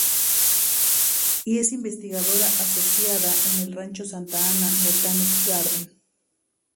Y es investigadora asociada en el Rancho Santa Ana Botanic Garden.